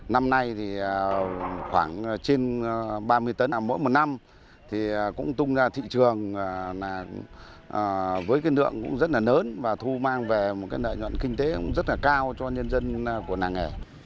năm nay khoảng trên ba mươi tấn mỗi một năm cũng tung ra thị trường